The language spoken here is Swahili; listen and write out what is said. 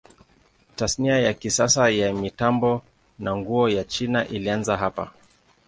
Tasnia ya kisasa ya mitambo na nguo ya China ilianza hapa.